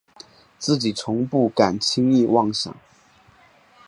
自己从不敢轻易妄想